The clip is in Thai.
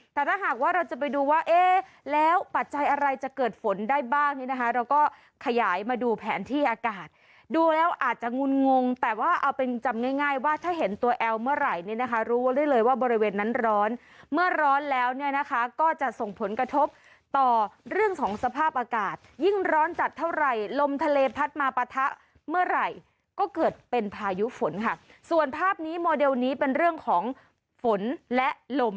แต่ถ้าหากว่าเราจะไปดูว่าเอ๊ะแล้วปัจจัยอะไรจะเกิดฝนได้บ้างนี่นะคะเราก็ขยายมาดูแผนที่อากาศดูแล้วอาจจะงุนงงแต่ว่าเอาเป็นจำง่ายว่าถ้าเห็นตัวแอลเมื่อไหร่นี่นะคะรู้ได้เลยว่าบริเวณนั้นร้อนเมื่อร้อนแล้วเนี่ยนะคะก็จะส่งผลกระทบต่อเรื่องของสภาพอากาศยิ่งร้อนจัดเท่าไหร่ลมทะเลพัดมาปะทะเมื่